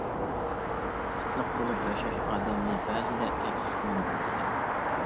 پىتلىق بولۇپ ياشاش ئادەمنى بەزىدە ئەپسۇسلاندۇرىدىكەن.